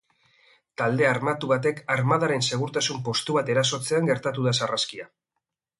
Talde armatu batek armadaren segurtasun postu bat erasotzean gertatu da sarraskia.